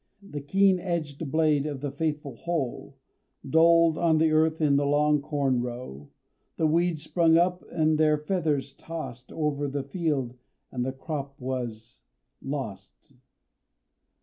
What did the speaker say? The keen edged blade of the faithful hoe Dulled on the earth in the long corn row; The weeds sprung up and their feathers tossed Over the field and the crop was lost.